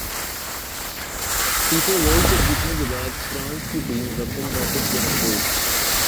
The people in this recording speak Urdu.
فیفاورلڈکپ جیتنے کے بعد فرانس کی ٹیم وطن واپس پہنچ گئی